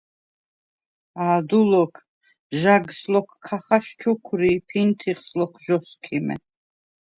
“ა̄დუ ლოქ, ჟაგს ლოქ ქა ხაშჩუქვრი, ფინთიხს ლოქ ჟ’ოსქიმე”.